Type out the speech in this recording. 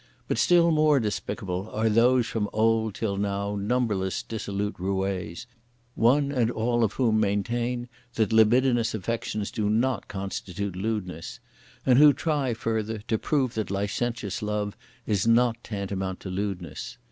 But still more despicable are those from old till now numberless dissolute roués, one and all of whom maintain that libidinous affections do not constitute lewdness; and who try, further, to prove that licentious love is not tantamount to lewdness.